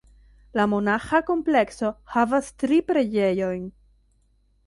La monaĥa komplekso havas tri preĝejojn.